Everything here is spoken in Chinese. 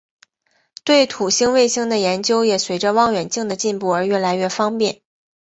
对土星卫星的研究也随着望远镜的进步而越来越方便。